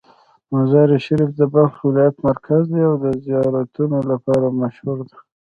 مزار شریف د بلخ ولایت مرکز دی او د زیارتونو لپاره مشهوره ده.